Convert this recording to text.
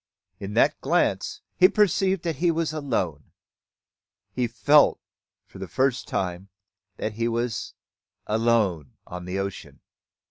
In that glance he perceived that he was alone, he felt for the first time that he was alone upon the ocean!